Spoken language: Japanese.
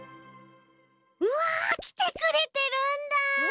うわきてくれてるんだ！